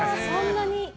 そんなに。